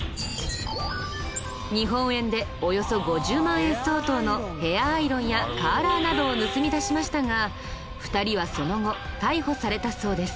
日本円でおよそ５０万円相当のヘアアイロンやカーラーなどを盗み出しましたが２人はその後逮捕されたそうです。